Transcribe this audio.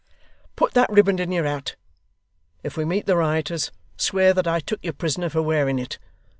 'Put that riband in your hat. If we meet the rioters, swear that I took you prisoner for wearing it.